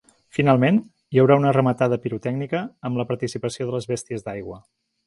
Finalment, hi haurà una rematada pirotècnica amb la participació de les bèsties d’aigua.